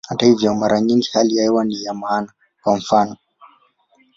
Hata hivyo, mara nyingi hali ya hewa ni ya maana, kwa mfano.